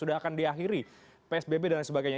sudah akan diakhiri psbb dan lain sebagainya